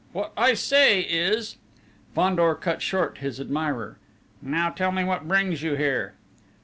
What I say is ..." Fandor cut short his admirer: "Now tell me what brings you here!"